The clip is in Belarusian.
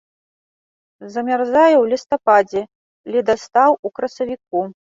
Замярзае ў лістападзе, ледастаў у красавіку.